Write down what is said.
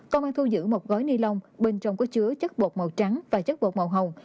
công an thu giữ một gói ni lông bên trong có chứa chất bột màu trắng và chất bột màu hồng